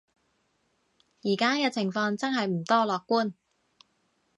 而家嘅情況真係唔多樂觀